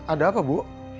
ada apa bu